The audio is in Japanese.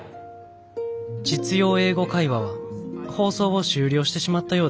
『実用英語会話』は放送を終了してしまったようです。